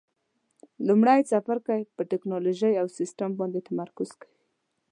لومړی څپرکی په ټېکنالوجي او سیسټم باندې تمرکز کوي.